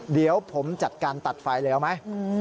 เดี๋ยวผมจัดการตัดไฟเลยเอาไหม